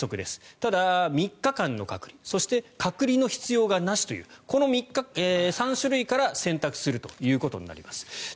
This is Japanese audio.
ただ、３日間の隔離そして隔離の必要がなしというこの３種類から選択するということになります。